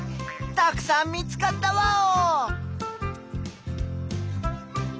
たくさん見つかったワオ！